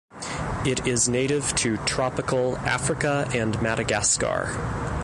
It is native to tropical Africa and Madagascar.